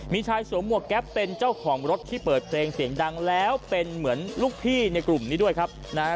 มีชายสวมหวกแก๊ปเป็นเจ้าของรถที่เปิดเพลงเสียงดังแล้วเป็นเหมือนลูกพี่ในกลุ่มนี้ด้วยครับนะฮะ